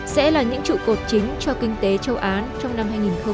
sẽ là những trụ cột chính cho kinh tế châu á trong năm hai nghìn hai mươi